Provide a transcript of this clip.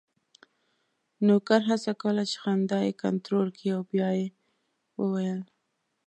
نوکر هڅه کوله چې خندا یې کنټرول کړي او بیا یې وویل: